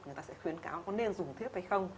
người ta sẽ khuyến cáo có nên dùng thiết hay không